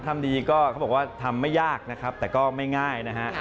ทำดีก็เขาบอกว่าทำไม่ยากนะครับแต่ก็ไม่ง่ายนะฮะ